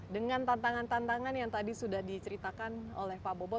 dengan tantangan tantangan yang tadi sudah diceritakan oleh pak bobot